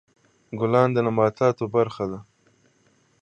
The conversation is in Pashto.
ګلان د نباتاتو برخه ده.